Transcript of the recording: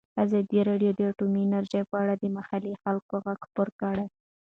ازادي راډیو د اټومي انرژي په اړه د محلي خلکو غږ خپور کړی.